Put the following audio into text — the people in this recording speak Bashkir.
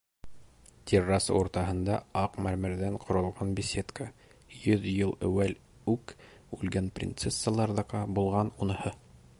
Терраса уртаһында — аҡ мәрмәрҙән ҡоролған беседка, йөҙ йыл әүәл үк үлгән принцессаларҙыҡы булған уныһы.